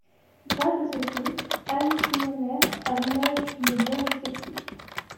Grâce à ce film, Ann Smyrner a l'image d'une blonde sexy.